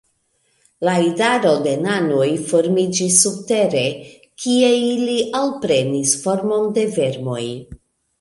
La idaro de nanoj formiĝis subtere, kie ili alprenis formon de vermoj.